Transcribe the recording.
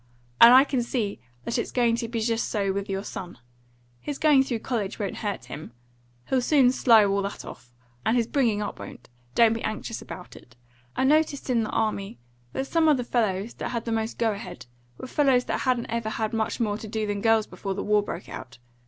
And I can see that it's going to be just so with your son. His going through college won't hurt him, he'll soon slough all that off, and his bringing up won't; don't be anxious about it. I noticed in the army that some of the fellows that had the most go ahead were fellows that hadn't ever had much more to do than girls before the war broke out.